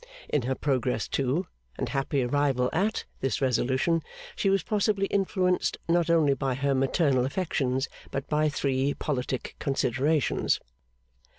In her progress to, and happy arrival at, this resolution, she was possibly influenced, not only by her maternal affections but by three politic considerations.